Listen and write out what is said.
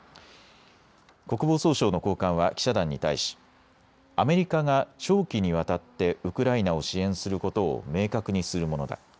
国防総省の高官は記者団に対し、アメリカが長期にわたってウクライナを支援することを明確にするものだ。